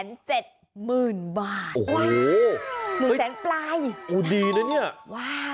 โอ้โฮเหมือนแสงปลายโอ้โฮดีนะเนี่ยว้าว